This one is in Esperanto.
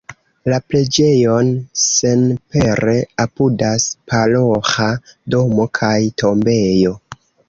La preĝejon senpere apudas paroĥa domo kaj tombejo.